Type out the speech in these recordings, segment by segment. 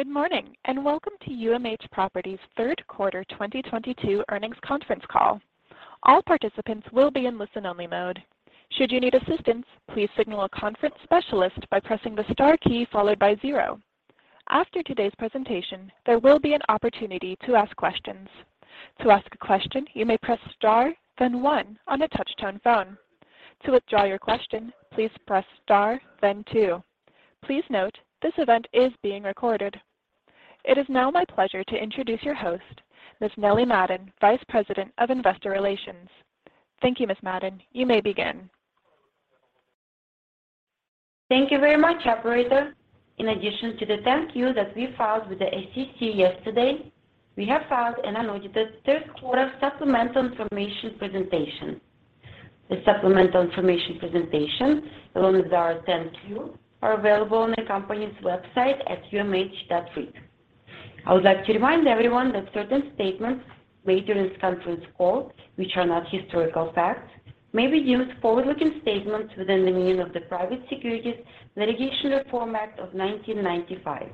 Good morning, and welcome to UMH Properties third quarter 2022 earnings conference call. All participants will be in listen-only mode. Should you need assistance, please signal a conference specialist by pressing the star key followed by zero. After today's presentation, there will be an opportunity to ask questions. To ask a question, you may press star, then one on a touch-tone phone. To withdraw your question, please press star, then two. Please note, this event is being recorded. It is now my pleasure to introduce your host, Ms. Nelli Madden, Vice President of Investor Relations. Thank you, Ms. Madden. You may begin. Thank you very much, operator. In addition to the 10-Q that we filed with the SEC yesterday, we have filed an unaudited third quarter supplemental information presentation. The supplemental information presentation, along with our 10-Q, are available on the company's website at umh.reit. I would like to remind everyone that certain statements made during this conference call, which are not historical facts, may be forward-looking statements within the meaning of the Private Securities Litigation Reform Act of 1995.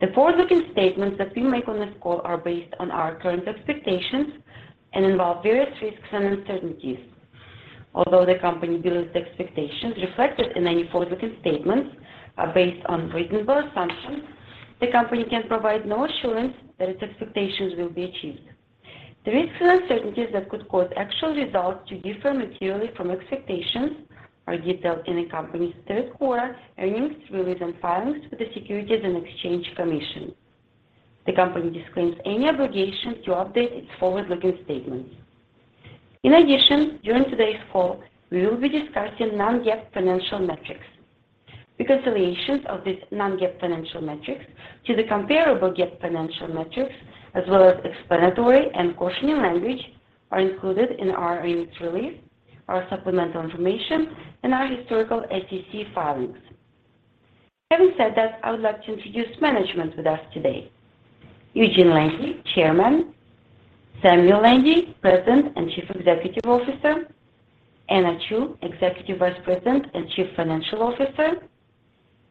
The forward-looking statements that we make on this call are based on our current expectations and involve various risks and uncertainties. Although the company believes the expectations reflected in any forward-looking statements are based on reasonable assumptions, the company can provide no assurance that its expectations will be achieved. The risks and uncertainties that could cause actual results to differ materially from expectations are detailed in the company's third quarter earnings release and filings with the Securities and Exchange Commission. The company disclaims any obligation to update its forward-looking statements. In addition, during today's call, we will be discussing non-GAAP financial metrics. Reconciliations of these non-GAAP financial metrics to the comparable GAAP financial metrics, as well as explanatory and cautioning language, are included in our earnings release, our supplemental information, and our historical SEC filings. Having said that, I would like to introduce management with us today. Eugene Landy, Chairman, Samuel Landy, President and Chief Executive Officer, Anna T. Chew, Executive Vice President and Chief Financial Officer,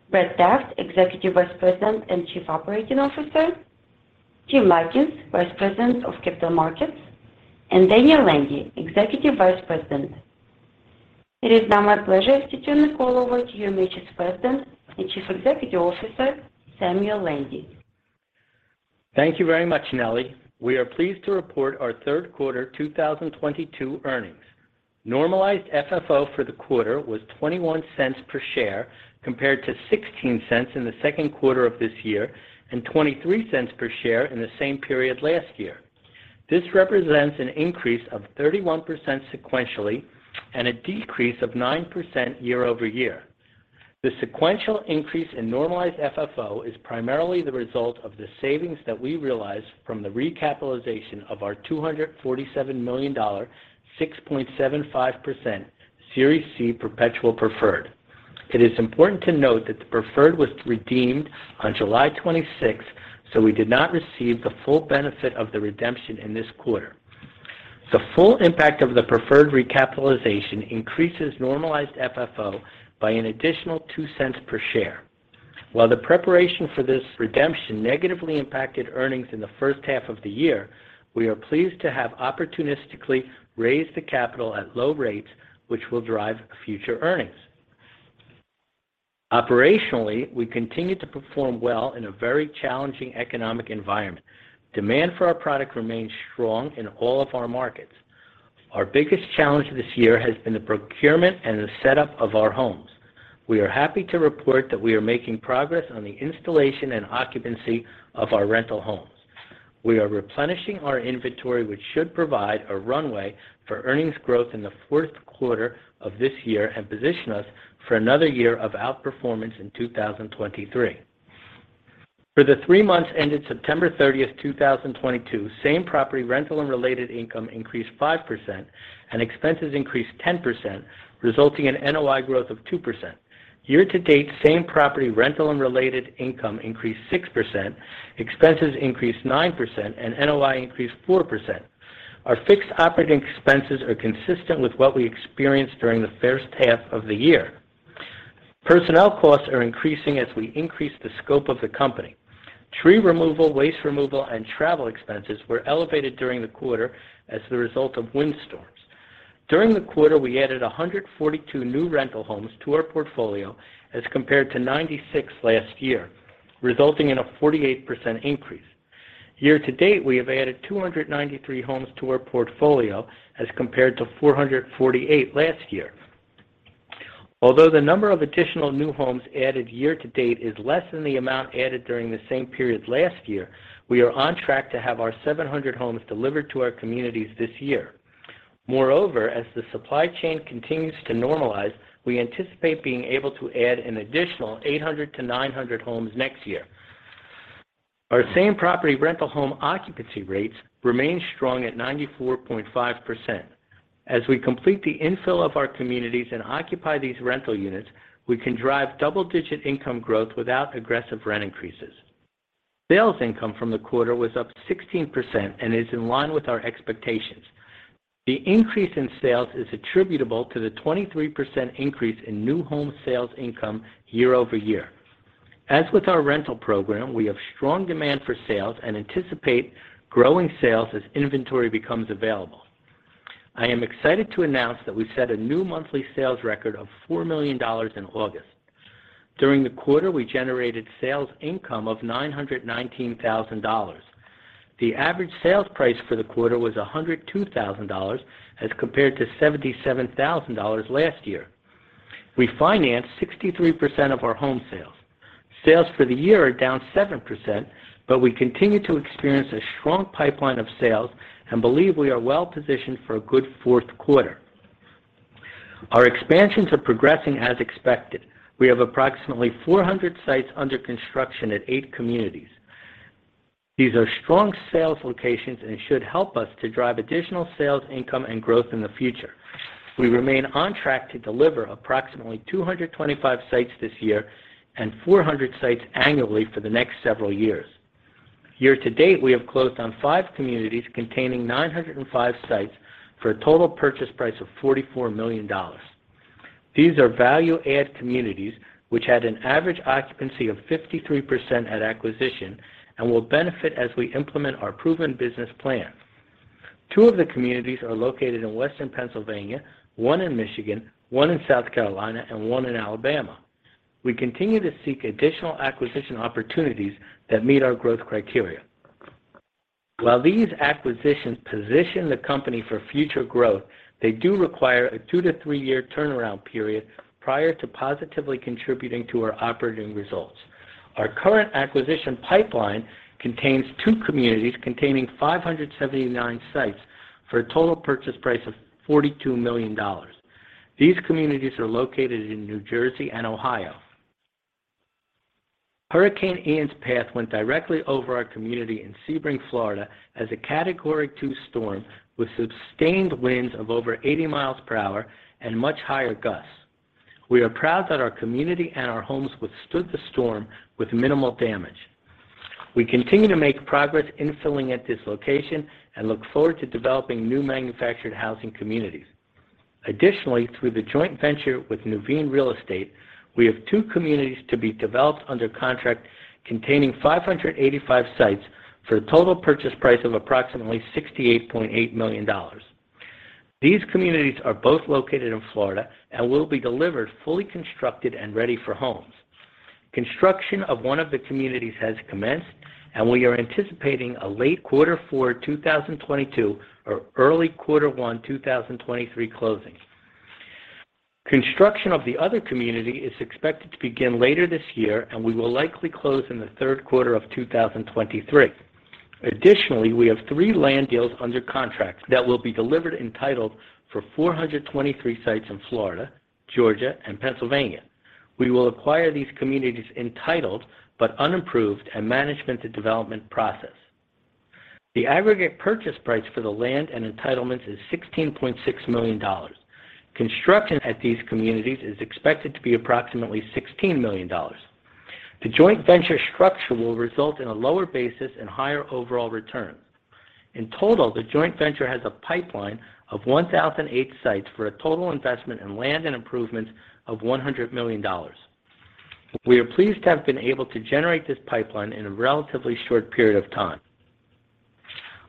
Brett Taft, Executive Vice President and Chief Operating Officer, James O. Lykins, Vice President of Capital Markets, and Daniel Landy, Executive Vice President. It is now my pleasure to turn the call over to UMH's President and Chief Executive Officer, Samuel Landy. Thank you very much, Nelli. We are pleased to report our third quarter 2022 earnings. Normalized FFO for the quarter was $0.21 per share, compared to $0.16 in the second quarter of this year and $0.23 per share in the same period last year. This represents an increase of 31% sequentially and a decrease of 9% year-over-year. The sequential increase in normalized FFO is primarily the result of the savings that we realized from the recapitalization of our $247 million, 6.75% Series C perpetual preferred. It is important to note that the preferred was redeemed on July 26th, so we did not receive the full benefit of the redemption in this quarter. The full impact of the preferred recapitalization increases normalized FFO by an additional $0.02 per share. While the preparation for this redemption negatively impacted earnings in the first half of the year, we are pleased to have opportunistically raised the capital at low rates, which will drive future earnings. Operationally, we continued to perform well in a very challenging economic environment. Demand for our product remains strong in all of our markets. Our biggest challenge this year has been the procurement and the setup of our homes. We are happy to report that we are making progress on the installation and occupancy of our rental homes. We are replenishing our inventory, which should provide a runway for earnings growth in the fourth quarter of this year and position us for another year of outperformance in 2023. For the three months ended September thirtieth, 2022, same-property rental and related income increased 5% and expenses increased 10%, resulting in NOI growth of 2%. Year to date, same-property rental and related income increased 6%, expenses increased 9%, and NOI increased 4%. Our fixed operating expenses are consistent with what we experienced during the first half of the year. Personnel costs are increasing as we increase the scope of the company. Tree removal, waste removal, and travel expenses were elevated during the quarter as the result of windstorms. During the quarter, we added 142 new rental homes to our portfolio as compared to 96 last year, resulting in a 48% increase. Year to date, we have added 293 homes to our portfolio as compared to 448 last year. Although the number of additional new homes added year to date is less than the amount added during the same period last year, we are on track to have our 700 homes delivered to our communities this year. Moreover, as the supply chain continues to normalize, we anticipate being able to add an additional 800-900 homes next year. Our same-property rental home occupancy rates remain strong at 94.5%. As we complete the infill of our communities and occupy these rental units, we can drive double-digit income growth without aggressive rent increases. Sales income from the quarter was up 16% and is in line with our expectations. The increase in sales is attributable to the 23% increase in new home sales income year-over-year. As with our rental program, we have strong demand for sales and anticipate growing sales as inventory becomes available. I am excited to announce that we set a new monthly sales record of $4 million in August. During the quarter, we generated sales income of $919,000. The average sales price for the quarter was $102,000 as compared to $77,000 last year. We financed 63% of our home sales. Sales for the year are down 7%, but we continue to experience a strong pipeline of sales and believe we are well-positioned for a good fourth quarter. Our expansions are progressing as expected. We have approximately 400 sites under construction at 8 communities. These are strong sales locations and should help us to drive additional sales income and growth in the future. We remain on track to deliver approximately 225 sites this year and 400 sites annually for the next several years. Year-to-date, we have closed on five communities containing 905 sites for a total purchase price of $44 million. These are value-add communities which had an average occupancy of 53% at acquisition and will benefit as we implement our proven business plan. Two of the communities are located in Western Pennsylvania, one in Michigan, one in South Carolina, and one in Alabama. We continue to seek additional acquisition opportunities that meet our growth criteria. While these acquisitions position the company for future growth, they do require a 2-3-year turnaround period prior to positively contributing to our operating results. Our current acquisition pipeline contains 2 communities containing 579 sites for a total purchase price of $42 million. These communities are located in New Jersey and Ohio. Hurricane Ian's path went directly over our community in Sebring, Florida, as a Category 2 storm with sustained winds of over 80 miles per hour and much higher gusts. We are proud that our community and our homes withstood the storm with minimal damage. We continue to make progress infilling at this location and look forward to developing new manufactured housing communities. Additionally, through the joint venture with Nuveen Real Estate, we have two communities to be developed under contract containing 585 sites for a total purchase price of approximately $68.8 million. These communities are both located in Florida and will be delivered fully constructed and ready for homes. Construction of one of the communities has commenced, and we are anticipating a late Quarter Four 2022 or early Quarter One 2023 closing. Construction of the other community is expected to begin later this year, and we will likely close in the third quarter of 2023. Additionally, we have three land deals under contract that will be delivered entitled for 423 sites in Florida, Georgia, and Pennsylvania. We will acquire these communities entitled but unimproved and manage the development process. The aggregate purchase price for the land and entitlements is $16.6 million. Construction at these communities is expected to be approximately $16 million. The joint venture structure will result in a lower basis and higher overall return. In total, the joint venture has a pipeline of 1,008 sites for a total investment in land and improvements of $100 million. We are pleased to have been able to generate this pipeline in a relatively short period of time.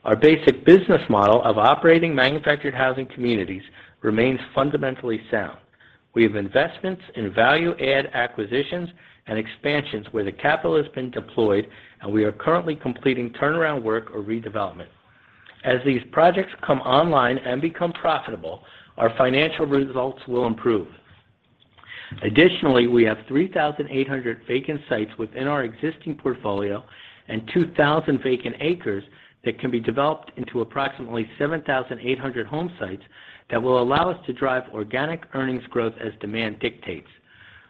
Our basic business model of operating manufactured housing communities remains fundamentally sound. We have investments in value-add acquisitions and expansions where the capital has been deployed, and we are currently completing turnaround work or redevelopment. As these projects come online and become profitable, our financial results will improve. Additionally, we have 3,800 vacant sites within our existing portfolio and 2,000 vacant acres that can be developed into approximately 7,800 home sites that will allow us to drive organic earnings growth as demand dictates.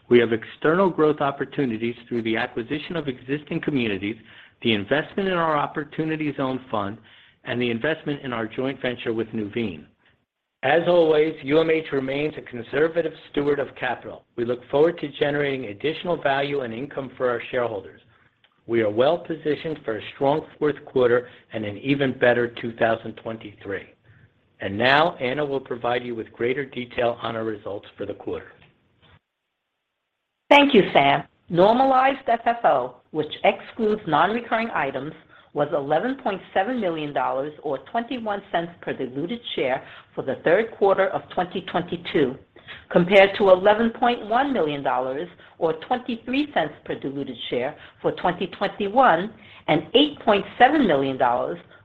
We have external growth opportunities through the acquisition of existing communities, the investment in our Opportunity Zone fund, and the investment in our joint venture with Nuveen. As always, UMH remains a conservative steward of capital. We look forward to generating additional value and income for our shareholders. We are well-positioned for a strong fourth quarter and an even better 2023. Now, Anna will provide you with greater detail on our results for the quarter. Thank you, Sam. Normalized FFO, which excludes non-recurring items, was $11.7 million or $0.21 per diluted share for the third quarter of 2022, compared to $11.1 million or $0.23 per diluted share for 2021 and $8.7 million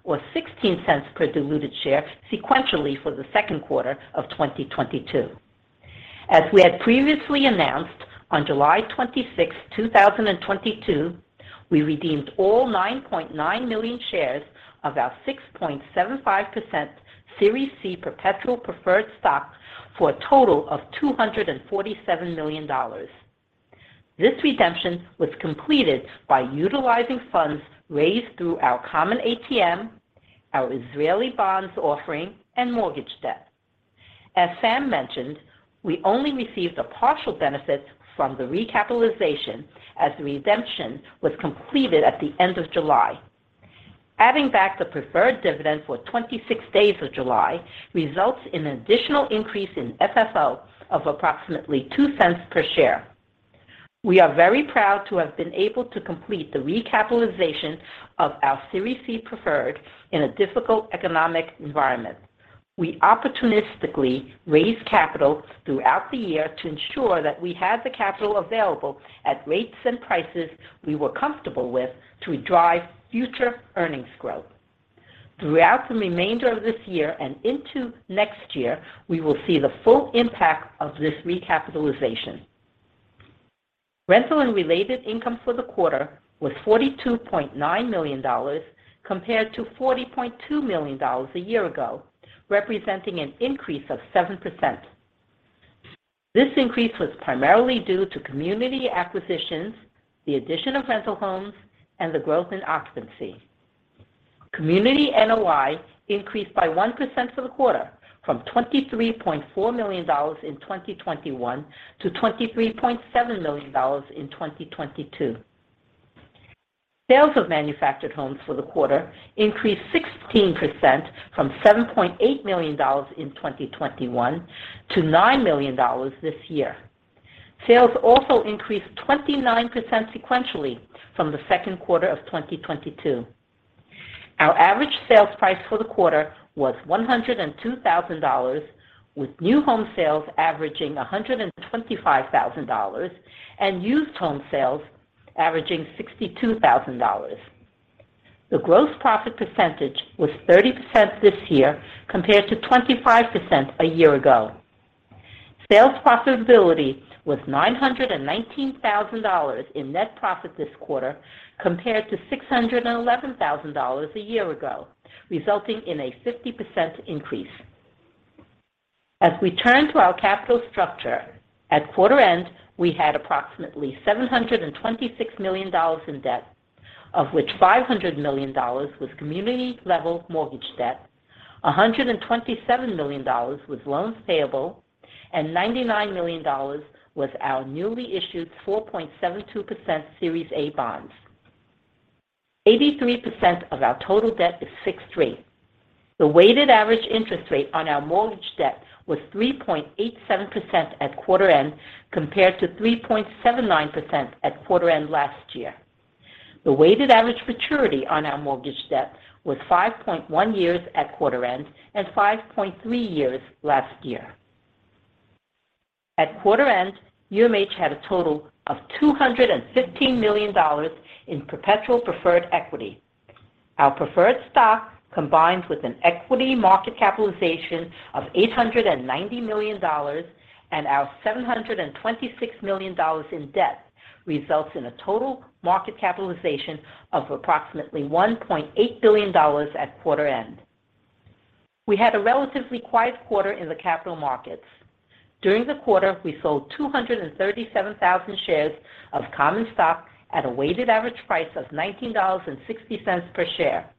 or $0.16 per diluted share sequentially for the second quarter of 2022. As we had previously announced, on July 26, 2022, we redeemed all 9.9 million shares of our 6.75% Series C perpetual preferred stock for a total of $247 million. This redemption was completed by utilizing funds raised through our common ATM, our Israeli bonds offering, and mortgage debt. As Sam mentioned, we only received a partial benefit from the recapitalization as the redemption was completed at the end of July. Adding back the preferred dividend for 26 days of July results in an additional increase in FFO of approximately $0.02 per share. We are very proud to have been able to complete the recapitalization of our Series C preferred in a difficult economic environment. We opportunistically raised capital throughout the year to ensure that we had the capital available at rates and prices we were comfortable with to drive future earnings growth. Throughout the remainder of this year and into next year, we will see the full impact of this recapitalization. Rental and related income for the quarter was $42.9 million compared to $40.2 million a year ago, representing an increase of 7%. This increase was primarily due to community acquisitions, the addition of rental homes, and the growth in occupancy. Community NOI increased by 1% for the quarter from $23.4 million in 2021 to $23.7 million in 2022. Sales of manufactured homes for the quarter increased 16% from $7.8 million in 2021 to $9 million this year. Sales also increased 29% sequentially from the second quarter of 2022. Our average sales price for the quarter was $102,000, with new home sales averaging $125,000 and used home sales averaging $62,000. The gross profit percentage was 30% this year compared to 25% a year ago. Sales profitability was $919,000 in net profit this quarter compared to $611,000 a year ago, resulting in a 50% increase. As we turn to our capital structure, at quarter end, we had approximately $726 million in debt, of which $500 million was community-level mortgage debt, $127 million was loans payable, and $99 million was our newly issued 4.72% Series A bonds. 83% of our total debt is fixed-rate. The weighted average interest rate on our mortgage debt was 3.87% at quarter end compared to 3.79% at quarter end last year. The weighted average maturity on our mortgage debt was 5.1 years at quarter end and 5.3 years last year. At quarter end, UMH had a total of $215 million in perpetual preferred equity. Our preferred stock, combined with an equity market capitalization of $890 million and our $726 million in debt, results in a total market capitalization of approximately $1.8 billion at quarter end. We had a relatively quiet quarter in the capital markets. During the quarter, we sold 237,000 shares of common stock at a weighted average price of $19.60 per share,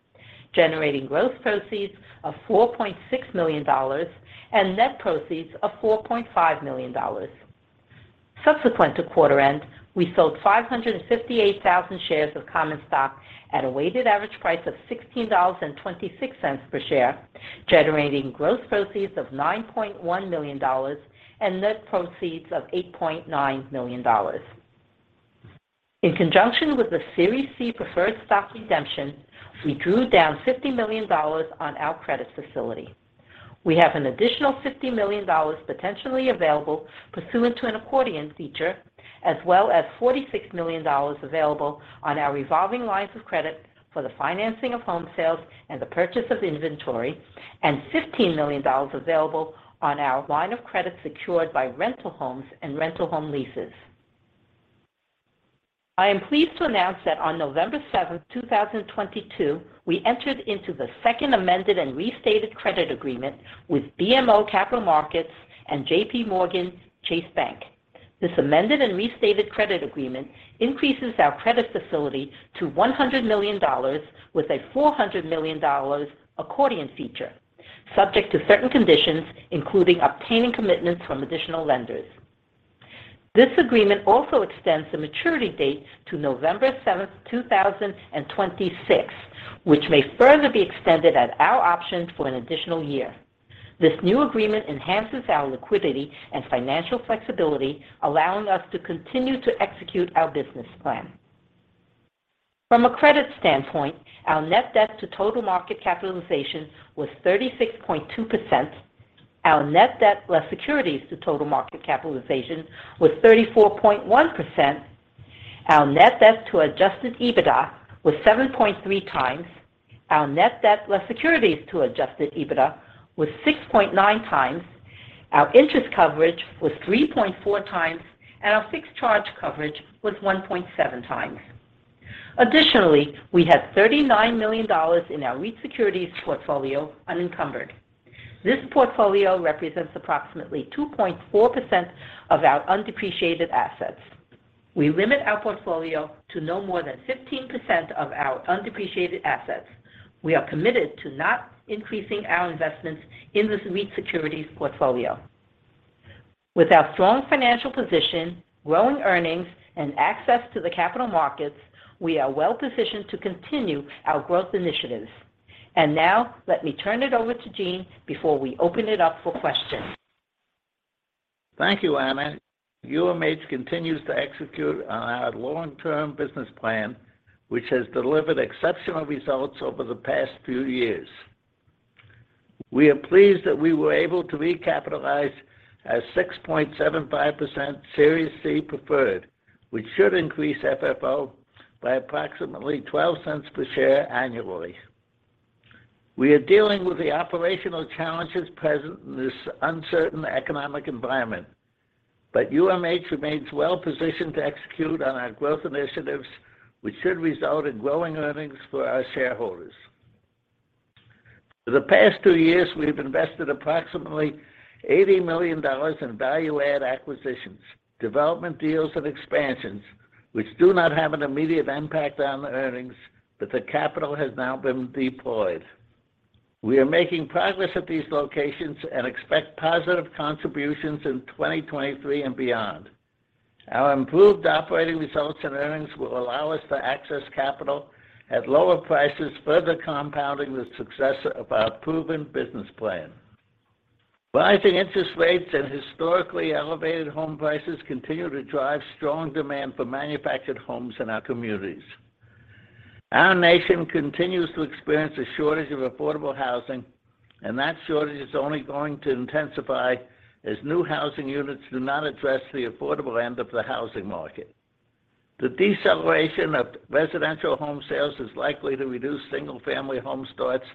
generating gross proceeds of $4.6 million and net proceeds of $4.5 million. Subsequent to quarter end, we sold 558,000 shares of common stock at a weighted average price of $16.26 per share, generating gross proceeds of $9.1 million and net proceeds of $8.9 million. In conjunction with the Series C preferred stock redemption, we drew down $50 million on our credit facility. We have an additional $50 million potentially available pursuant to an accordion feature, as well as $46 million available on our revolving lines of credit for the financing of home sales and the purchase of inventory, and $15 million available on our line of credit secured by rental homes and rental home leases. I am pleased to announce that on November 7, 2022, we entered into the second amended and restated credit agreement with BMO Capital Markets and J.P. Morgan Chase Bank, N.A. This amended and restated credit agreement increases our credit facility to $100 million with a $400 million accordion feature subject to certain conditions, including obtaining commitments from additional lenders. This agreement also extends the maturity date to November 7, 2026, which may further be extended at our option for an additional year. This new agreement enhances our liquidity and financial flexibility, allowing us to continue to execute our business plan. From a credit standpoint, our net debt to total market capitalization was 36.2%. Our net debt less securities to total market capitalization was 34.1%. Our net debt to adjusted EBITDA was 7.3x. Our net debt less securities to adjusted EBITDA was 6.9x. Our interest coverage was 3.4x, and our fixed charge coverage was 1.7x. Additionally, we had $39 million in our REIT securities portfolio unencumbered. This portfolio represents approximately 2.4% of our undepreciated assets. We limit our portfolio to no more than 15% of our undepreciated assets. We are committed to not increasing our investments in this REIT securities portfolio. With our strong financial position, growing earnings, and access to the capital markets, we are well-positioned to continue our growth initiatives. Now let me turn it over to Gene before we open it up for questions. Thank you, Anna. UMH continues to execute on our long-term business plan, which has delivered exceptional results over the past few years. We are pleased that we were able to recapitalize our 6.75% Series C preferred, which should increase FFO by approximately $0.12 per share annually. We are dealing with the operational challenges present in this uncertain economic environment, but UMH remains well positioned to execute on our growth initiatives, which should result in growing earnings for our shareholders. For the past two years, we've invested approximately $80 million in value-add acquisitions, development deals, and expansions, which do not have an immediate impact on the earnings, but the capital has now been deployed. We are making progress at these locations and expect positive contributions in 2023 and beyond. Our improved operating results and earnings will allow us to access capital at lower prices, further compounding the success of our proven business plan. Rising interest rates and historically elevated home prices continue to drive strong demand for manufactured homes in our communities. Our nation continues to experience a shortage of affordable housing, and that shortage is only going to intensify as new housing units do not address the affordable end of the housing market. The deceleration of residential home sales is likely to reduce single-family home starts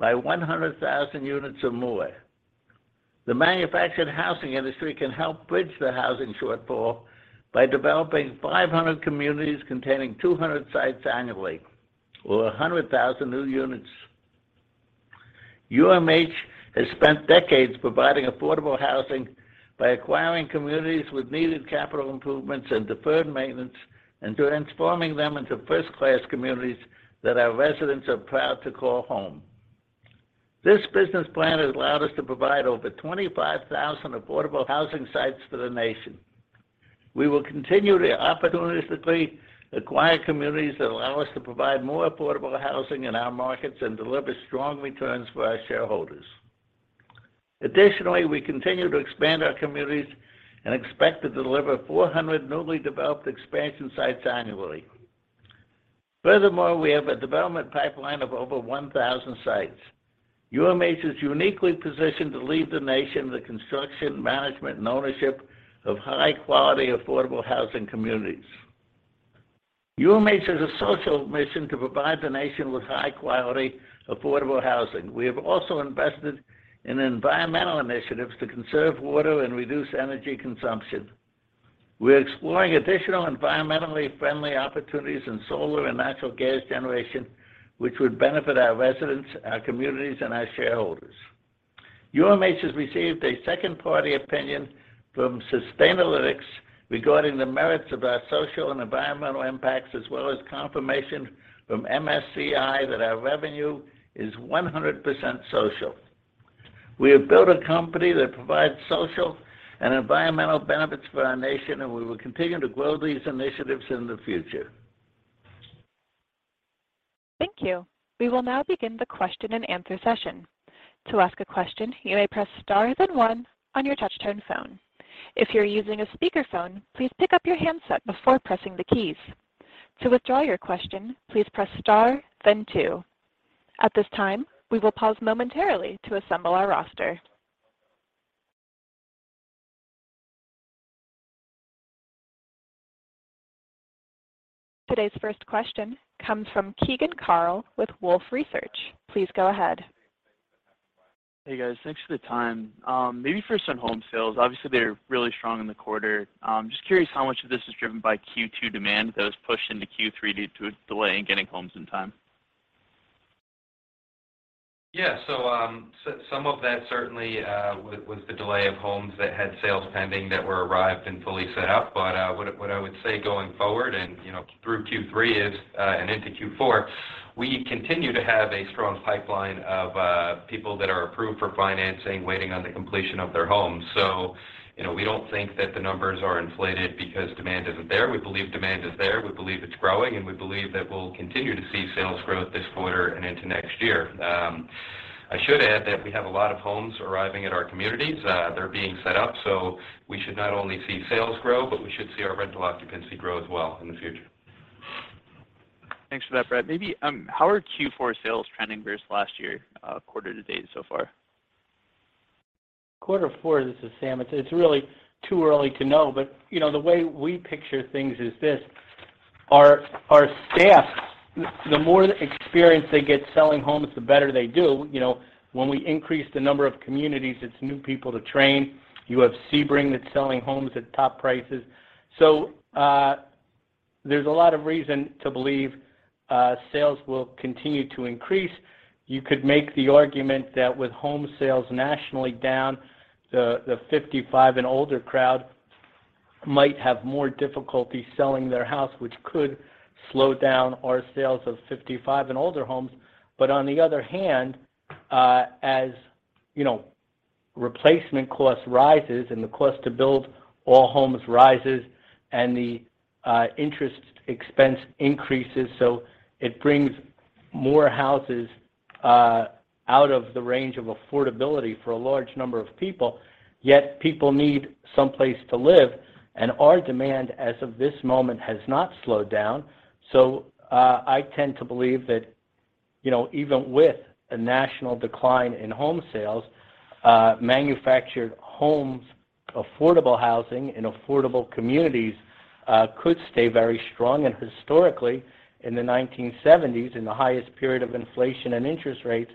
by 100,000 units or more. The manufactured housing industry can help bridge the housing shortfall by developing 500 communities containing 200 sites annually or 100,000 new units. UMH has spent decades providing affordable housing by acquiring communities with needed capital improvements and deferred maintenance and transforming them into first-class communities that our residents are proud to call home. This business plan has allowed us to provide over 25,000 affordable housing sites to the nation. We will continue to opportunistically acquire communities that allow us to provide more affordable housing in our markets and deliver strong returns for our shareholders. Additionally, we continue to expand our communities and expect to deliver 400 newly developed expansion sites annually. Furthermore, we have a development pipeline of over 1,000 sites. UMH is uniquely positioned to lead the nation in the construction, management, and ownership of high-quality affordable housing communities. UMH has a social mission to provide the nation with high-quality, affordable housing. We have also invested in environmental initiatives to conserve water and reduce energy consumption. We're exploring additional environmentally friendly opportunities in solar and natural gas generation, which would benefit our residents, our communities, and our shareholders. UMH has received a second-party opinion from Sustainalytics regarding the merits of our social and environmental impacts, as well as confirmation from MSCI that our revenue is 100% social. We have built a company that provides social and environmental benefits for our nation, and we will continue to grow these initiatives in the future. Thank you. We will now begin the question-and-answer session. To ask a question, you may press star then one on your touch-tone phone. If you're using a speakerphone, please pick up your handset before pressing the keys. To withdraw your question, please press star then two. At this time, we will pause momentarily to assemble our roster. Today's first question comes from Keegan Carl with Wolfe Research. Please go ahead. Hey, guys. Thanks for the time. Maybe first on home sales. Obviously, they're really strong in the quarter. Just curious how much of this is driven by Q2 demand that was pushed into Q3 due to a delay in getting homes in time? Yeah. Some of that certainly was the delay of homes that had sales pending that were arrived and fully set up. What I would say going forward and, you know, through Q3 is, and into Q4, we continue to have a strong pipeline of people that are approved for financing waiting on the completion of their homes. You know, we don't think that the numbers are inflated because demand isn't there. We believe demand is there. We believe it's growing, and we believe that we'll continue to see sales growth this quarter and into next year. I should add that we have a lot of homes arriving at our communities. They're being set up, so we should not only see sales grow, but we should see our rental occupancy grow as well in the future. Thanks for that, Brett. Maybe, how are Q4 sales trending versus last year, quarter to date so far? Quarter four, this is Sam. It's really too early to know. You know, the way we picture things is this, our staff, the more experience they get selling homes, the better they do. You know, when we increase the number of communities, it's new people to train. You have Sebring that's selling homes at top prices. There's a lot of reason to believe sales will continue to increase. You could make the argument that with home sales nationally down, the 55 and older crowd might have more difficulty selling their house, which could slow down our sales of 55 and older homes. On the other hand, as you know, replacement cost rises and the cost to build all homes rises and the interest expense increases, so it brings more houses out of the range of affordability for a large number of people, yet people need someplace to live, and our demand as of this moment has not slowed down. I tend to believe that, you know, even with a national decline in home sales, manufactured homes, affordable housing and affordable communities could stay very strong. Historically, in the 1970s, in the highest period of inflation and interest rates,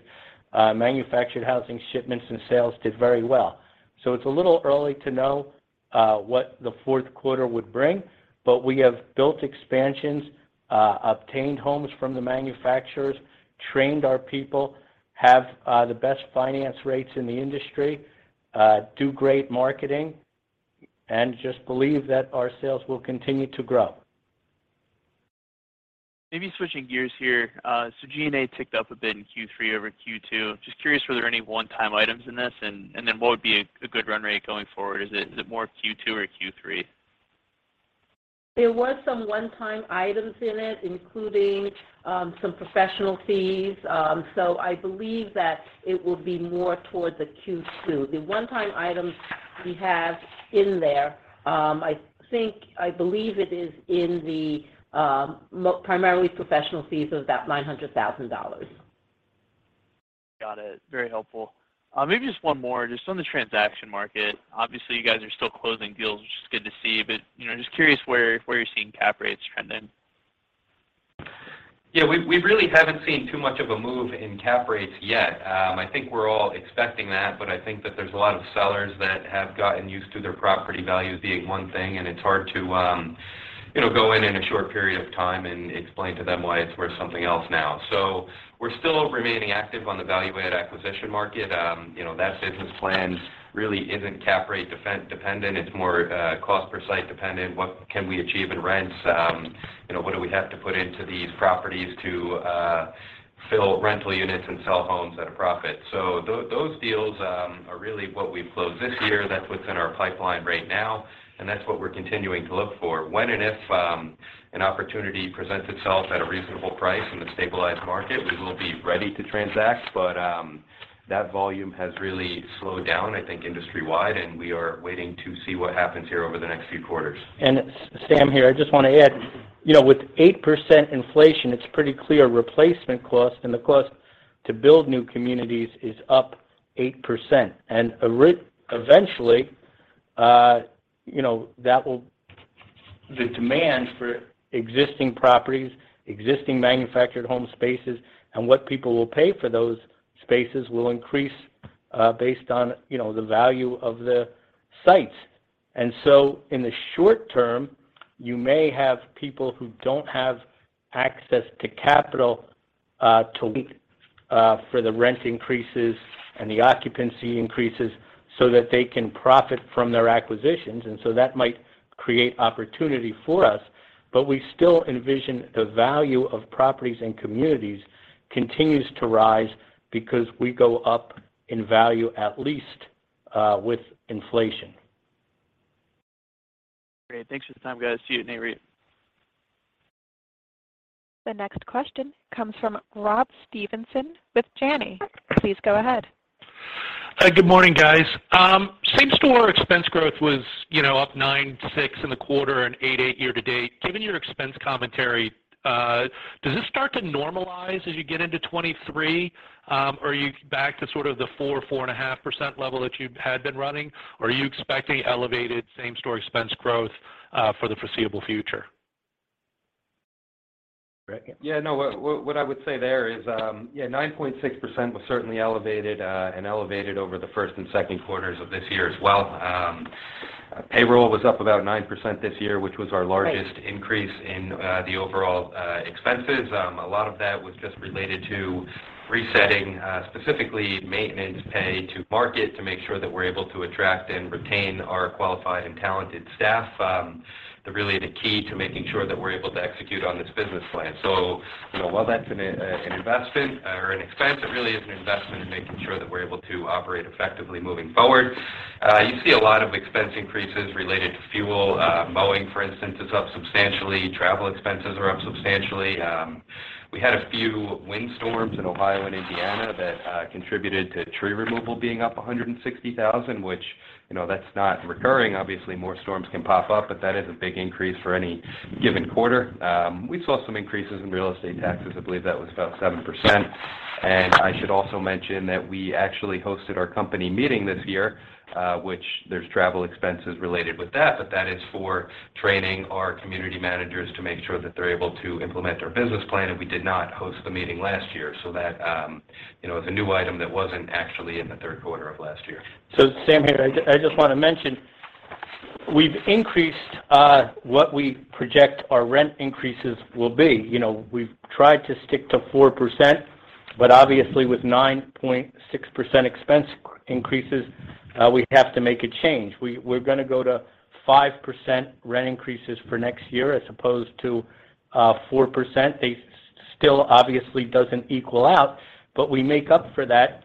manufactured housing shipments and sales did very well. It's a little early to know what the fourth quarter would bring, but we have built expansions, obtained homes from the manufacturers, trained our people, have the best finance rates in the industry, do great marketing, and just believe that our sales will continue to grow. Maybe switching gears here. G&A ticked up a bit in Q3 over Q2. Just curious, were there any one-time items in this? Then what would be a good run rate going forward? Is it more Q2 or Q3? There was some one-time items in it, including, some professional fees. I believe that it will be more towards the Q2. The one-time items we have in there, I think I believe it is in the, primarily professional fees of that $900,000. Got it. Very helpful. Maybe just one more on the transaction market. Obviously, you guys are still closing deals, which is good to see. You know, just curious where you're seeing cap rates trending. Yeah. We really haven't seen too much of a move in cap rates yet. I think we're all expecting that, but I think that there's a lot of sellers that have gotten used to their property values being one thing, and it's hard to, you know, go in a short period of time and explain to them why it's worth something else now. We're still remaining active on the value-added acquisition market. You know, that business plan really isn't cap rate dependent. It's more, cost per site dependent. What can we achieve in rents? You know, what do we have to put into these properties to, fill rental units and sell homes at a profit? Those deals are really what we've closed this year. That's what's in our pipeline right now, and that's what we're continuing to look for. When and if an opportunity presents itself at a reasonable price in a stabilized market, we will be ready to transact. That volume has really slowed down, I think, industry-wide, and we are waiting to see what happens here over the next few quarters. Sam here, I just wanna add, you know, with 8% inflation, it's pretty clear replacement cost and the cost to build new communities is up 8%. Eventually, you know, that will. The demand for existing properties, existing manufactured home spaces, and what people will pay for those spaces will increase, based on, you know, the value of the sites. In the short term, you may have people who don't have access to capital, to wait for the rent increases and the occupancy increases so that they can profit from their acquisitions. That might create opportunity for us. We still envision the value of properties and communities continues to rise because we go up in value at least, with inflation. Great. Thanks for the time, guys. See you at Nareit. The next question comes from Rob Stevenson with Janney. Please go ahead. Good morning, guys. Same-store expense growth was, you know, up 9.6% in the quarter and 8.8% year to date. Given your expense commentary, does this start to normalize as you get into 2023? Are you back to sort of the 4-4.5% level that you had been running, or are you expecting elevated same-store expense growth for the foreseeable future? Rick? Yeah, no. What I would say there is, yeah, 9.6% was certainly elevated, and elevated over the first and second quarters of this year as well. Payroll was up about 9% this year, which was our largest increase in the overall expenses. A lot of that was just related to resetting, specifically maintenance pay to market to make sure that we're able to attract and retain our qualified and talented staff, really the key to making sure that we're able to execute on this business plan. You know, while that's an investment or an expense, it really is an investment in making sure that we're able to operate effectively moving forward. You see a lot of expense increases related to fuel. Mowing, for instance, is up substantially. Travel expenses are up substantially. We had a few windstorms in Ohio and Indiana that contributed to tree removal being up $160,000, which, you know, that's not recurring. Obviously, more storms can pop up, but that is a big increase for any given quarter. We saw some increases in real estate taxes. I believe that was about 7%. I should also mention that we actually hosted our company meeting this year, which there's travel expenses related with that, but that is for training our community managers to make sure that they're able to implement our business plan. We did not host the meeting last year. That, you know, is a new item that wasn't actually in the third quarter of last year. Sam here. I just wanna mention we've increased what we project our rent increases will be. You know, we've tried to stick to 4%, but obviously with 9.6% expense increases, we have to make a change. We're gonna go to 5% rent increases for next year as opposed to 4%. They still obviously doesn't equal out, but we make up for that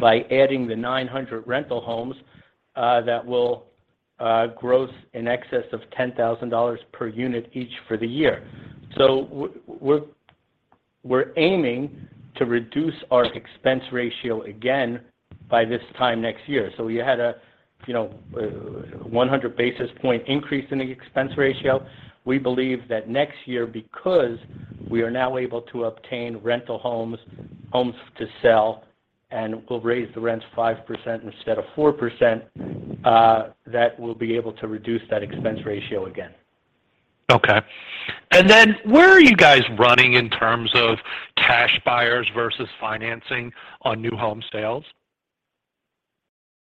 by adding the 900 rental homes that will gross in excess of $10,000 per unit each for the year. We're aiming to reduce our expense ratio again by this time next year. We had a you know 100 basis point increase in the expense ratio. We believe that next year, because we are now able to obtain rental homes to sell, and we'll raise the rents 5% instead of 4%, that we'll be able to reduce that expense ratio again. Okay. Where are you guys running in terms of cash buyers versus financing on new home sales?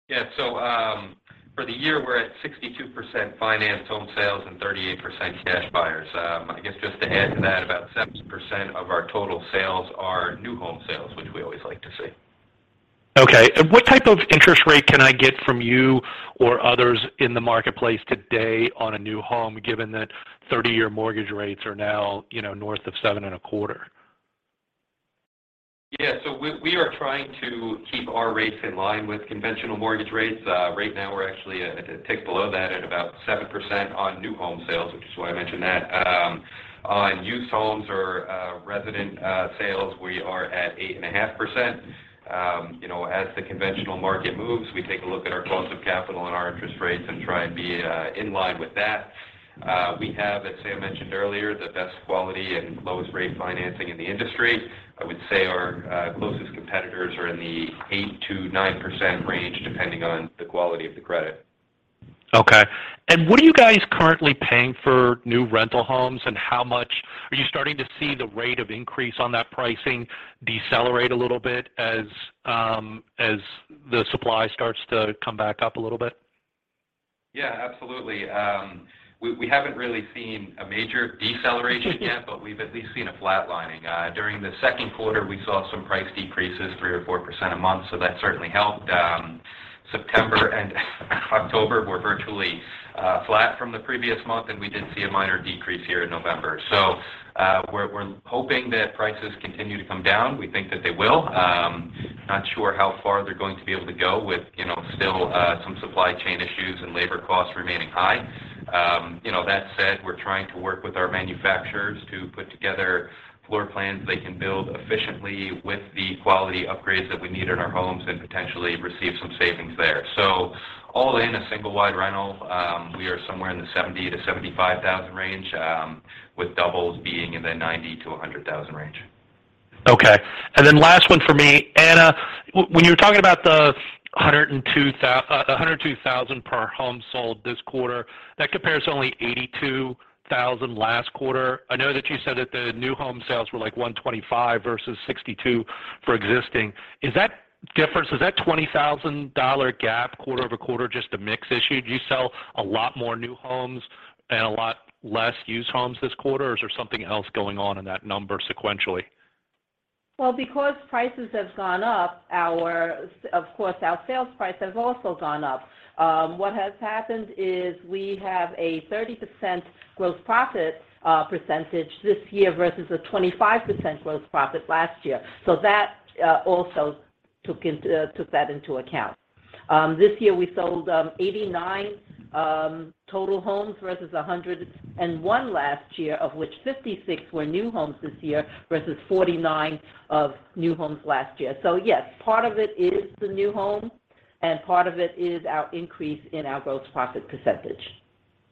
For the year, we're at 62% financed home sales and 38% cash buyers. I guess just to add to that, about 7% of our total sales are new home sales, which we always like to see. Okay. What type of interest rate can I get from you or others in the marketplace today on a new home, given that 30-year mortgage rates are now, you know, north of 7.25%? Yeah. We are trying to keep our rates in line with conventional mortgage rates. Right now, we're actually a tick below that at about 7% on new home sales, which is why I mentioned that. On used homes or resident sales, we are at 8.5%. You know, as the conventional market moves, we take a look at our cost of capital and our interest rates and try and be in line with that. We have, as Sam mentioned earlier, the best quality and lowest rate financing in the industry. I would say our closest competitors are in the 8%-9% range, depending on the quality of the credit. Okay. What are you guys currently paying for new rental homes, and how much are you starting to see the rate of increase on that pricing decelerate a little bit as the supply starts to come back up a little bit? Yeah, absolutely. We haven't really seen a major deceleration yet, but we've at least seen a flat lining. During the second quarter, we saw some price decreases 3 or 4% a month, so that certainly helped. September and October were virtually flat from the previous month, and we did see a minor decrease here in November. We're hoping that prices continue to come down. We think that they will. Not sure how far they're going to be able to go with, you know, still some supply chain issues and labor costs remaining high. You know, that said, we're trying to work with our manufacturers to put together floor plans they can build efficiently with the quality upgrades that we need in our homes and potentially receive some savings there. All in a single wide rental, we are somewhere in the $70 thousand-$75 thousand range, with doubles being in the $90 thousand-$100 thousand range. Okay. Last one for me. Anna, when you were talking about the $102,000 per home sold this quarter, that compares to only $82,000 last quarter. I know that you said that the new home sales were, like, $125,000 versus $62,000 for existing. Is that $20,000 gap quarter over quarter just a mix issue? Do you sell a lot more new homes and a lot less used homes this quarter, or is there something else going on in that number sequentially? Well, because prices have gone up, our, of course, sales price has also gone up. What has happened is we have a 30% gross profit percentage this year versus a 25% gross profit last year. That also took that into account. This year we sold 89 total homes versus 101 last year, of which 56 were new homes this year versus 49 of new homes last year. Yes, part of it is the new home and part of it is our increase in our gross profit percentage.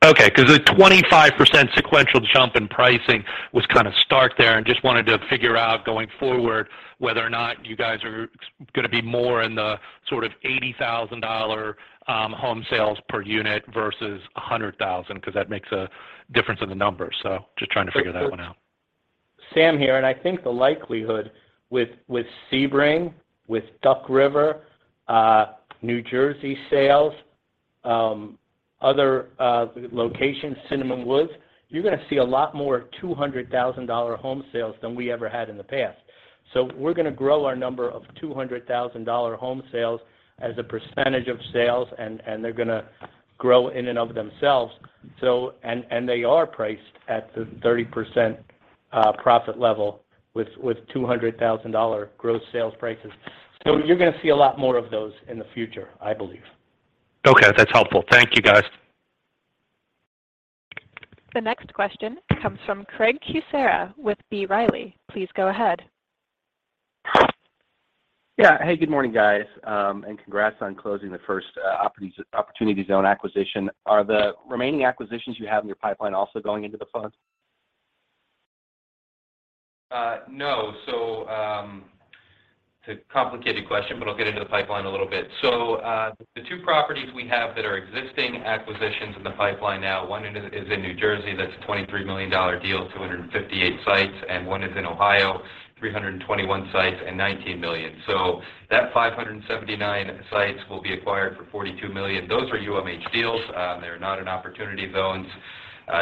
Okay. 'Cause a 25% sequential jump in pricing was kinda stark there, and just wanted to figure out going forward whether or not you guys are gonna be more in the sort of $80,000, home sales per unit versus a $100,000, 'cause that makes a difference in the numbers. Just trying to figure that one out. Sam here, and I think the likelihood with Sebring, with Duck River, New Jersey sales, other locations, Cinnamon Woods, you're gonna see a lot more $200,000 home sales than we ever had in the past. We're gonna grow our number of $200,000 home sales as a percentage of sales, and they're gonna grow in and of themselves. They are priced at the 30% profit level with $200,000 gross sales prices. You're gonna see a lot more of those in the future, I believe. Okay. That's helpful. Thank you, guys. The next question comes from Craig Kucera with B. Riley Securities. Please go ahead. Yeah. Hey, good morning, guys. Congrats on closing the first opportunity zone acquisition. Are the remaining acquisitions you have in your pipeline also going into the fund? No. It's a complicated question, but I'll get into the pipeline a little bit. The two properties we have that are existing acquisitions in the pipeline now, one is in New Jersey. That's a $23 million deal, 258 sites. One is in Ohio, 321 sites and $19 million. That 579 sites will be acquired for $42 million. Those are UMH deals. They're not in opportunity zones.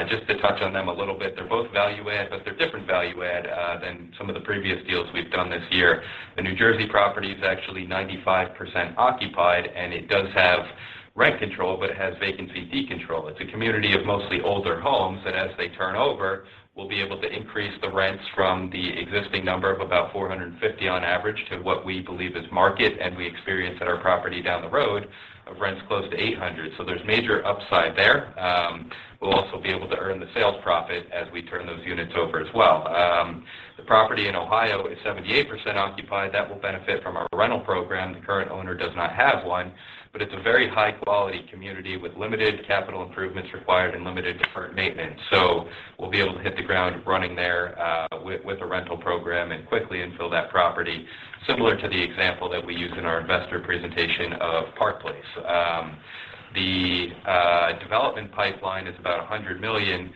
Just to touch on them a little bit, they're both value add, but they're different value add than some of the previous deals we've done this year. The New Jersey property is actually 95% occupied, and it does have rent control, but it has vacancy decontrol. It's a community of mostly older homes that as they turn over, we'll be able to increase the rents from the existing number of about $450 on average to what we believe is market. We experience at our property down the road of rents close to $800. There's major upside there. We'll also be able to earn the sales profit as we turn those units over as well. The property in Ohio is 78% occupied. That will benefit from our rental program. The current owner does not have one, but it's a very high-quality community with limited capital improvements required and limited deferred maintenance. We'll be able to hit the ground running there, with a rental program and quickly infill that property, similar to the example that we use in our investor presentation of Park Place. The development pipeline is about $100 million.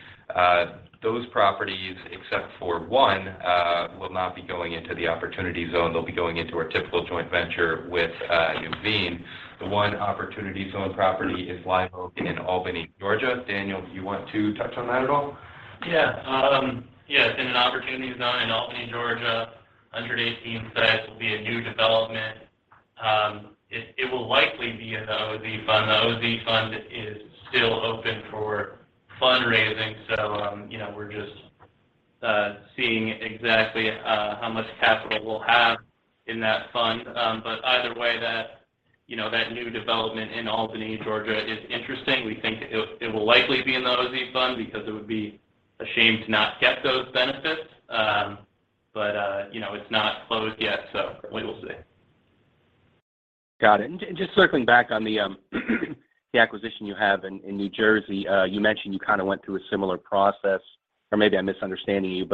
Those properties, except for one, will not be going into the Opportunity Zone. They'll be going into our typical joint venture with Nuveen. The one Opportunity Zone property is Mighty Oak in Albany, Georgia. Daniel, do you want to touch on that at all? Yeah. Yes, in an Opportunity Zone in Albany, Georgia, under 18 sites will be a new development. It will likely be in the OZ Fund. The OZ Fund is still open for fundraising, so, you know, we're just seeing exactly how much capital we'll have in that fund. But either way, that, you know, that new development in Albany, Georgia is interesting. We think it will likely be in the OZ Fund because it would be a shame to not get those benefits. But, you know, it's not closed yet, so we will see. Got it. Just circling back on the acquisition you have in New Jersey. You mentioned you kind of went through a similar process, or maybe I'm misunderstanding you.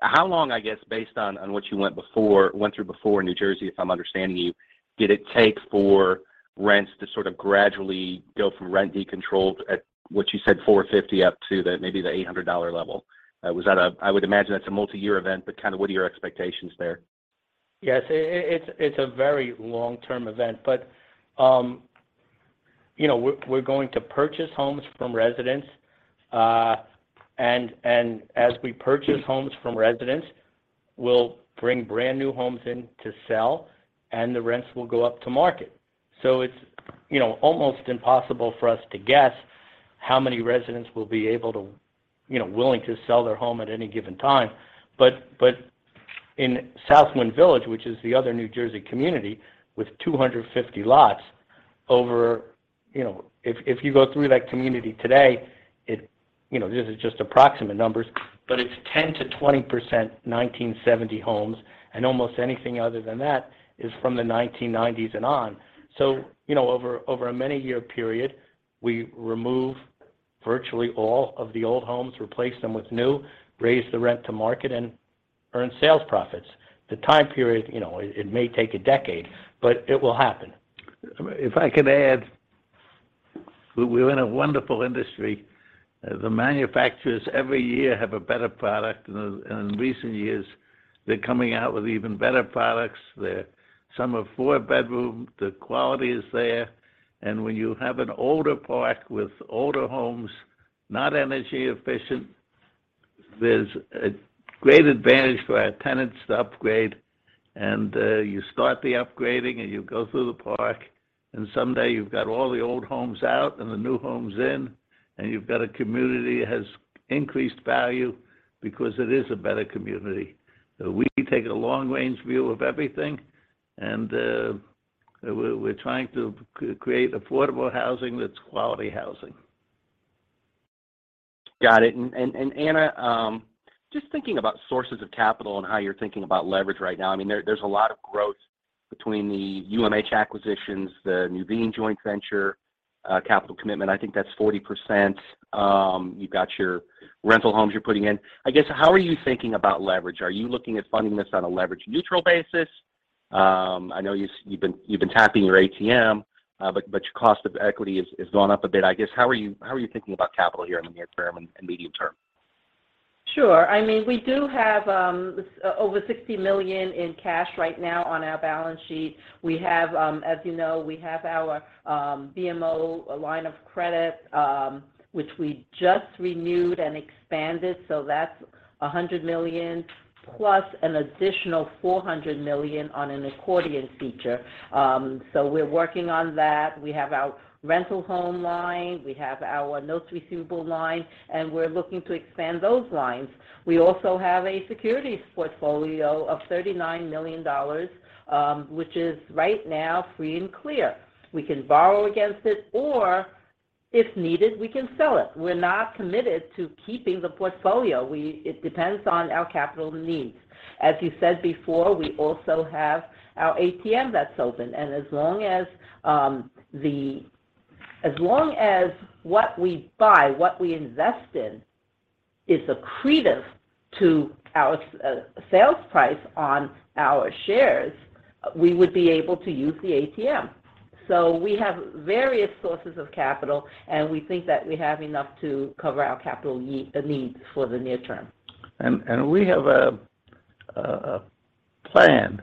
How long, I guess, based on what you went through before in New Jersey, if I'm understanding you, did it take for rents to sort of gradually go from rent decontrolled at what you said, $450 up to maybe the $800 level? Was that a multiyear event? I would imagine that's a multiyear event, but kind of what are your expectations there? Yes. It's a very long-term event, but you know, we're going to purchase homes from residents. As we purchase homes from residents, we'll bring brand-new homes in to sell, and the rents will go up to market. It's you know, almost impossible for us to guess how many residents will be able to you know, willing to sell their home at any given time. In Southwind Village, which is the other New Jersey community with 250 lots over, you know, if you go through that community today, it you know, this is just approximate numbers, but it's 10%-20% 1970 homes, and almost anything other than that is from the 1990s and on. You know, over a many-year period, we remove virtually all of the old homes, replace them with new, raise the rent to market, and earn sales profits. The time period, you know, it may take a decade, but it will happen. If I could add, we're in a wonderful industry. The manufacturers every year have a better product. In recent years, they're coming out with even better products. Some are four-bedroom. The quality is there. When you have an older park with older homes, not energy-efficient, there's a great advantage for our tenants to upgrade. You start the upgrading, and you go through the park, and someday you've got all the old homes out and the new homes in, and you've got a community that has increased value because it is a better community. We take a long-range view of everything, and we're trying to create affordable housing that's quality housing. Got it. Anna, just thinking about sources of capital and how you're thinking about leverage right now, I mean, there's a lot of growth between the UMH acquisitions, the Nuveen joint venture, capital commitment. I think that's 40%. You've got your rental homes you're putting in. I guess how are you thinking about leverage? Are you looking at funding this on a leverage neutral basis? I know you've been tapping your ATM, but your cost of equity has gone up a bit. I guess how are you thinking about capital here in the near term and medium term? Sure. I mean, we do have over $60 million in cash right now on our balance sheet. We have, as you know, our BMO line of credit, which we just renewed and expanded. That's $100 million plus an additional $400 million on an accordion feature. We're working on that. We have our rental home line, we have our notes receivable line, and we're looking to expand those lines. We also have a securities portfolio of $39 million, which is right now free and clear. We can borrow against it, or if needed, we can sell it. We're not committed to keeping the portfolio. It depends on our capital needs. As you said before, we also have our ATM that's open. As long as the As long as what we buy, what we invest in, is accretive to our sales price on our shares, we would be able to use the ATM. We have various sources of capital, and we think that we have enough to cover our capital needs for the near term. We have. A plan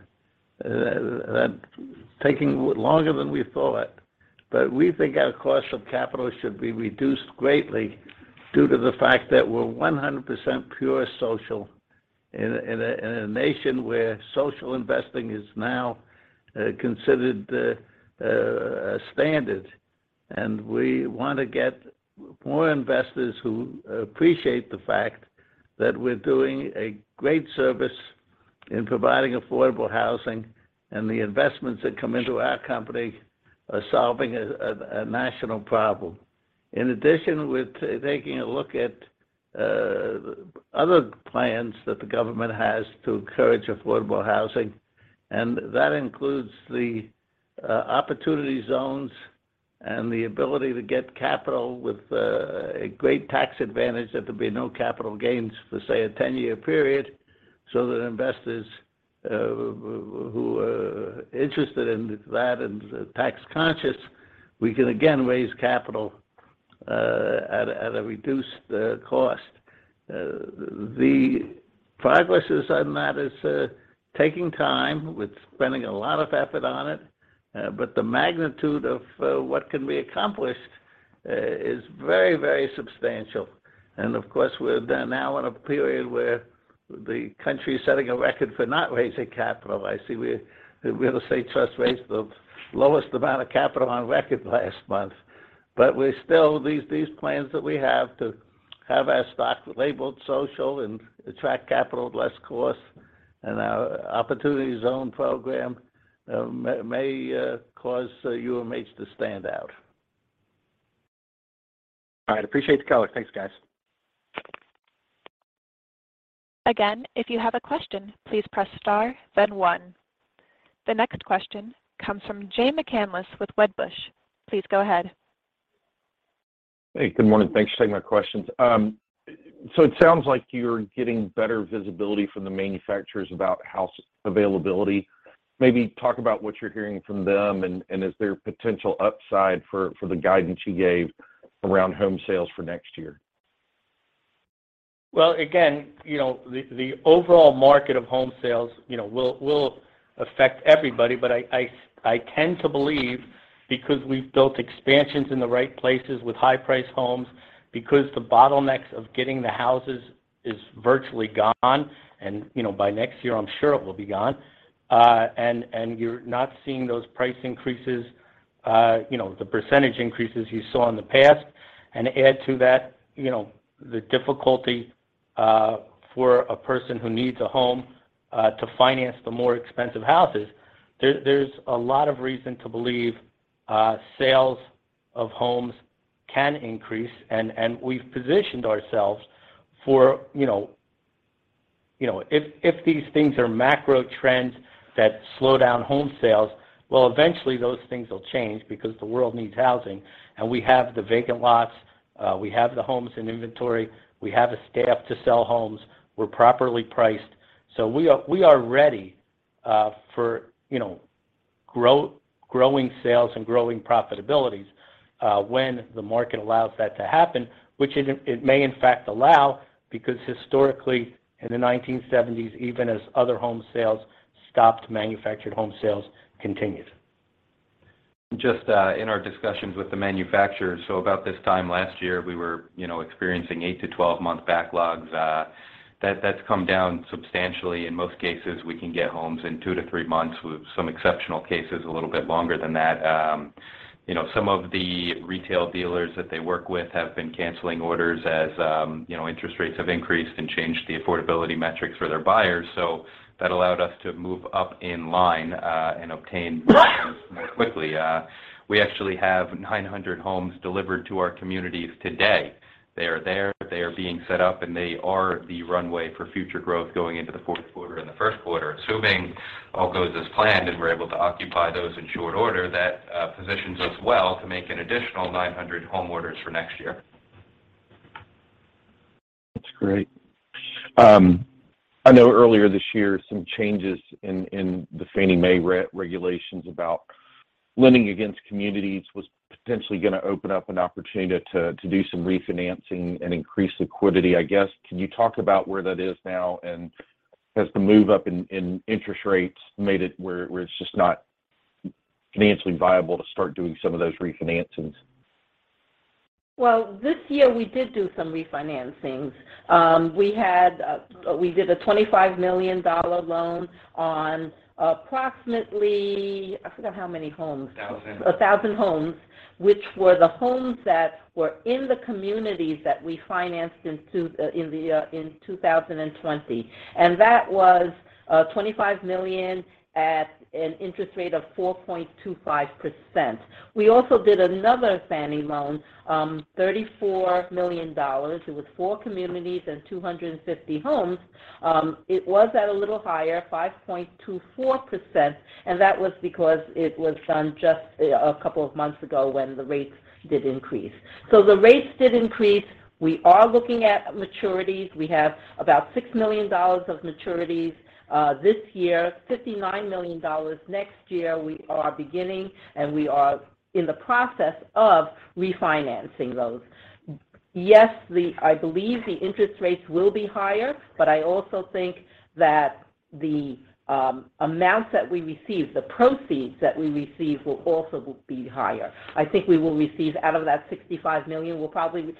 that's taking longer than we thought, but we think our cost of capital should be reduced greatly due to the fact that we're 100% pure social in a nation where social investing is now considered a standard. We want to get more investors who appreciate the fact that we're doing a great service in providing affordable housing and the investments that come into our company are solving a national problem. In addition, we're taking a look at other plans that the government has to encourage affordable housing, and that includes the Opportunity Zones and the ability to get capital with a great tax advantage. There could be no capital gains for, say, a 10-year period so that investors, who are interested in that and tax conscious, we can again raise capital, at a reduced cost. Progress on that is taking time. We're spending a lot of effort on it, but the magnitude of what can be accomplished is very, very substantial. Of course, we're now in a period where the country is setting a record for not raising capital. I see Real Estate Trust raised the lowest amount of capital on record last month. We're still these plans that we have to have our stock labeled social and attract capital at less cost and our opportunity zone program may cause UMH to stand out. All right. Appreciate the color. Thanks, guys. Again, if you have a question, please press star then one. The next question comes from Jay McCanless with Wedbush. Please go ahead. Hey, good morning. Thanks for taking my questions. It sounds like you're getting better visibility from the manufacturers about house availability. Maybe talk about what you're hearing from them and is there potential upside for the guidance you gave around home sales for next year? Well, again, you know, the overall market of home sales, you know, will affect everybody. I tend to believe because we've built expansions in the right places with high-priced homes, because the bottlenecks of getting the houses is virtually gone, and, you know, by next year, I'm sure it will be gone, and you're not seeing those price increases, you know, the percentage increases you saw in the past. Add to that, you know, the difficulty for a person who needs a home to finance the more expensive houses, there's a lot of reason to believe sales of homes can increase. We've positioned ourselves for, you know, if these things are macro trends that slow down home sales, well, eventually those things will change because the world needs housing. We have the vacant lots, we have the homes in inventory, we have the staff to sell homes, we're properly priced. We are ready for, you know, growing sales and growing profitabilities, when the market allows that to happen, which it may in fact allow, because historically in the 1970s, even as other home sales stopped, manufactured home sales continued. Just in our discussions with the manufacturers. About this time last year, we were, you know, experiencing 8- to 12-month backlogs. That's come down substantially. In most cases, we can get homes in 2-3 months, with some exceptional cases a little bit longer than that. You know, some of the retail dealers that they work with have been canceling orders as, you know, interest rates have increased and changed the affordability metrics for their buyers. That allowed us to move up in line and obtain more quickly. We actually have 900 homes delivered to our communities today. They are there, they are being set up, and they are the runway for future growth going into the fourth quarter and the first quarter. Assuming all goes as planned and we're able to occupy those in short order, that positions us well to make an additional 900 home orders for next year. That's great. I know earlier this year some changes in the Fannie Mae re-regulations about lending against communities was potentially gonna open up an opportunity to do some refinancing and increase liquidity. I guess, can you talk about where that is now, and has the move up in interest rates made it where it's just not financially viable to start doing some of those refinancings? Well, this year we did do some refinancing. We did a $25 million loan on approximately. I forgot how many homes. 1,000. 1,000 homes, which were the homes that were in the communities that we financed in 2020. That was $25 million at an interest rate of 4.25%. We also did another Fannie Mae loan, $34 million. It was 4 communities and 250 homes. It was at a little higher, 5.24%, and that was because it was done just a couple of months ago when the rates did increase. The rates did increase. We are looking at maturities. We have about $6 million of maturities this year, $59 million next year. We are beginning, and we are in the process of refinancing those. Yes, the I believe the interest rates will be higher, but I also think that the amounts that we receive, the proceeds that we receive will also be higher. I think we will receive out of that $65 million, we'll probably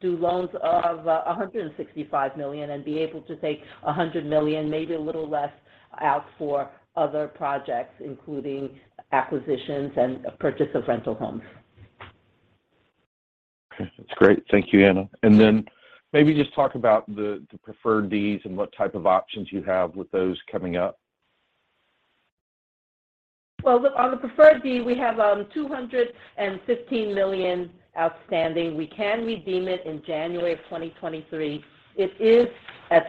do loans of $165 million and be able to take $100 million, maybe a little less out for other projects, including acquisitions and purchase of rental homes. Okay, that's great. Thank you, Anna. Maybe just talk about the preferred Ds and what type of options you have with those coming up. Well, look, on the preferred D, we have $215 million outstanding. We can redeem it in January 2023. It is at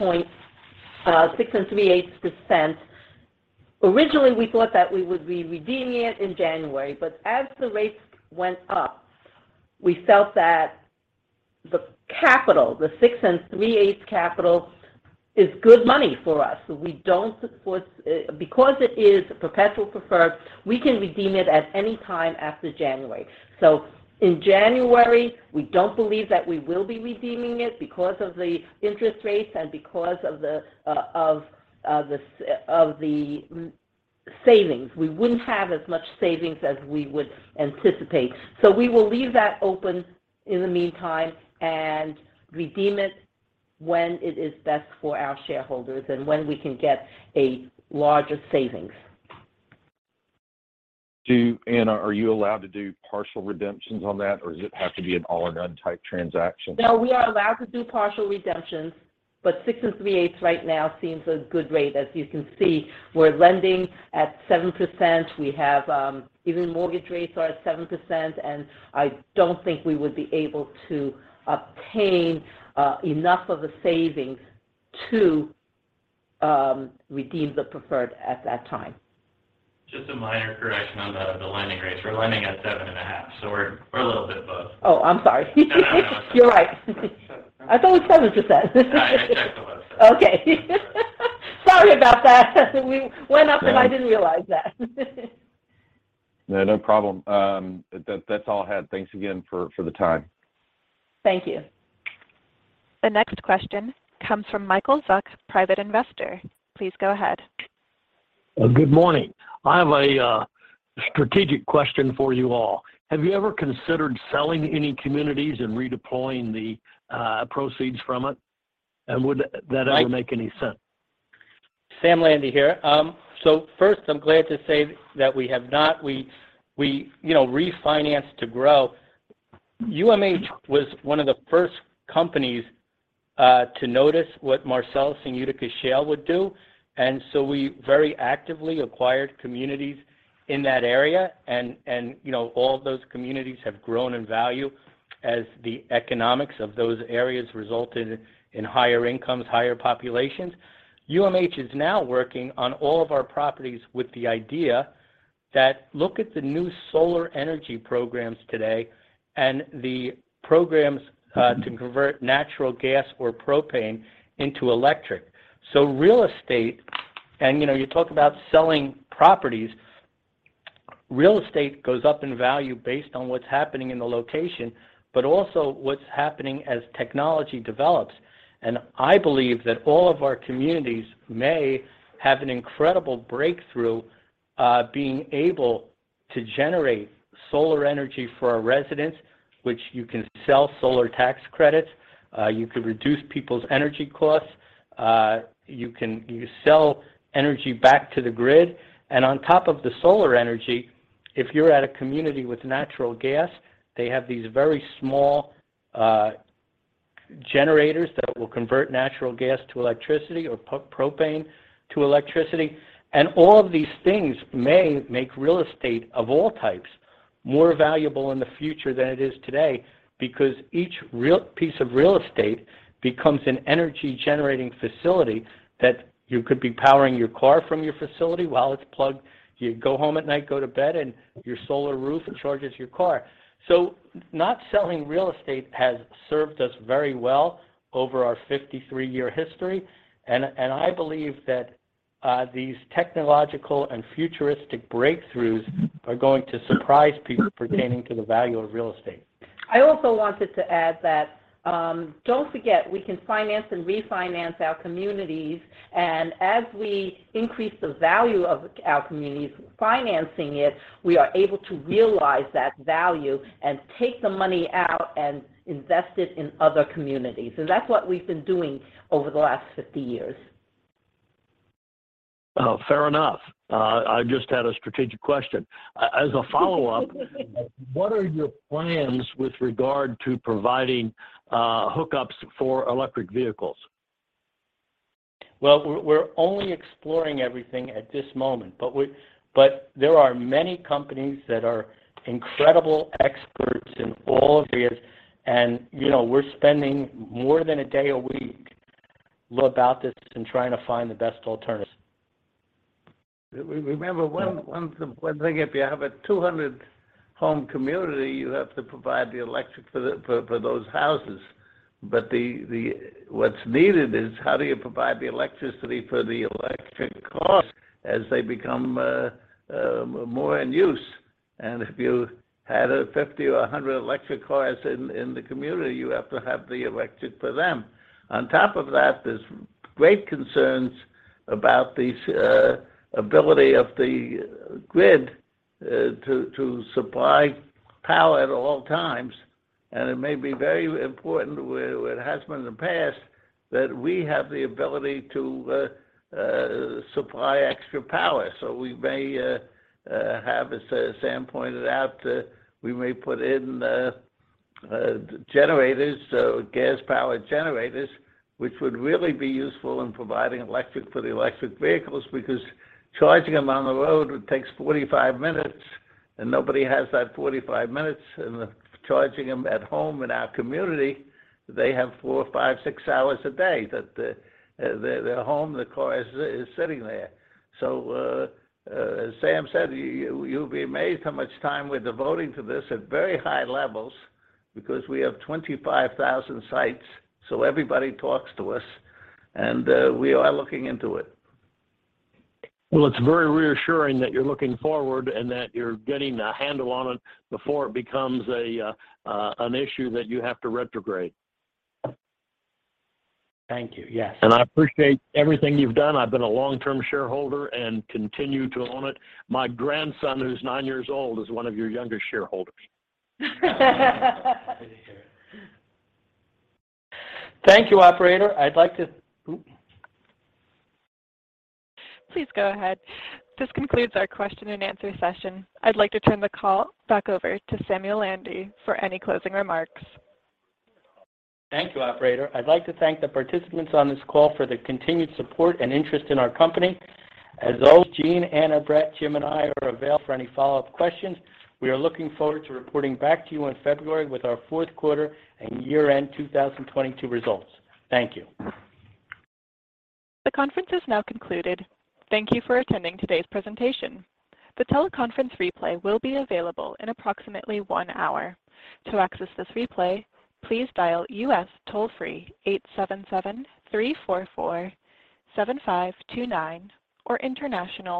6.375%. Originally, we thought that we would be redeeming it in January, but as the rates went up, we felt that the capital, the 6.375% capital, is good money for us. Because it is perpetual preferred, we can redeem it at any time after January. In January, we don't believe that we will be redeeming it because of the interest rates and because of the savings. We wouldn't have as much savings as we would anticipate. We will leave that open in the meantime and redeem it when it is best for our shareholders and when we can get a larger savings. Anna, are you allowed to do partial redemptions on that, or does it have to be an all or none type transaction? No, we are allowed to do partial redemptions, but 6.375% right now seems a good rate. As you can see, we're lending at 7%. Even mortgage rates are at 7%, and I don't think we would be able to obtain enough of a savings to redeem the preferred at that time. Just a minor correction on the lending rates. We're lending at 7.5%, so we're a little bit above. Oh, I'm sorry. No, no. That's okay. You're right. I thought it was seven just then. Okay. Sorry about that. No I didn't realize that. No problem. That's all I had. Thanks again for the time. Thank you. The next question comes from Michael Zuck, Private Investor. Please go ahead. Good morning. I have a strategic question for you all. Have you ever considered selling any communities and redeploying the proceeds from it? Would that ever make any sense? Mike? Samuel Landy here. First, I'm glad to say that we have not. We you know refinance to grow. UMH was one of the first companies to notice what Marcellus and Utica Shale would do, and so we very actively acquired communities in that area and you know all of those communities have grown in value as the economics of those areas resulted in higher incomes, higher populations. UMH is now working on all of our properties with the idea that look at the new solar energy programs today and the programs to convert natural gas or propane into electric. Real estate and you know you talk about selling properties, real estate goes up in value based on what's happening in the location, but also what's happening as technology develops. I believe that all of our communities may have an incredible breakthrough, being able to generate solar energy for our residents, which you can sell solar tax credits, you could reduce people's energy costs, you can sell energy back to the grid. On top of the solar energy, if you're at a community with natural gas, they have these very small generators that will convert natural gas to electricity or propane to electricity. All of these things may make real estate of all types more valuable in the future than it is today because each piece of real estate becomes an energy generating facility that you could be powering your car from your facility while it's plugged. You go home at night, go to bed, and your solar roof charges your car. Not selling real estate has served us very well over our 53-year history, and I believe that these technological and futuristic breakthroughs are going to surprise people pertaining to the value of real estate. I also wanted to add that, don't forget, we can finance and refinance our communities, and as we increase the value of our communities, financing it, we are able to realize that value and take the money out and invest it in other communities. That's what we've been doing over the last 50 years. Oh, fair enough. I just had a strategic question. As a follow-up, what are your plans with regard to providing hookups for electric vehicles? Well, we're only exploring everything at this moment, but there are many companies that are incredible experts in all of this. You know, we're spending more than a day a week about this and trying to find the best alternatives. Remember one thing, if you have a 200-home community, you have to provide the electric for those houses. What's needed is how do you provide the electricity for the electric cars as they become more in use. If you had a 50 or a 100 electric cars in the community, you have to have the electric for them. On top of that, there's great concerns about the stability of the grid to supply power at all times. It may be very important, it has been in the past, that we have the ability to supply extra power. We may have, as Sam pointed out, we may put in generators, so gas-powered generators, which would really be useful in providing electricity for the electric vehicles because charging them on the road takes 45 minutes, and nobody has that 45 minutes. Charging them at home in our community, they have 4, 5, 6 hours a day that they're home, the car is sitting there. As Sam said, you'll be amazed how much time we're devoting to this at very high levels because we have 25,000 sites, so everybody talks to us, and we are looking into it. Well, it's very reassuring that you're looking forward and that you're getting a handle on it before it becomes an issue that you have to retrograde. Thank you, yes. I appreciate everything you've done. I've been a long-term shareholder and continue to own it. My grandson, who's nine years old, is one of your younger shareholders. Good to hear it. Thank you, operator. Please go ahead. This concludes our question and answer session. I'd like to turn the call back over to Samuel A. Landy for any closing remarks. Thank you, operator. I'd like to thank the participants on this call for their continued support and interest in our company. As always, Gene, Anna, Brett, Jim, and I are available for any follow-up questions. We are looking forward to reporting back to you in February with our fourth quarter and year-end 2022 results. Thank you. The conference is now concluded. Thank you for attending today's presentation. The teleconference replay will be available in approximately one hour. To access this replay, please dial U.S. toll-free 877-344-7529 or international-